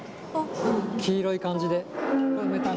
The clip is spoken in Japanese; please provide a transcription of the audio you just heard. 黄色い感じで。